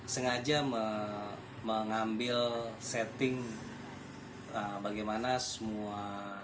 sengaja mengambil setting bagaimana semua